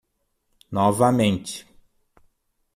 Novamente.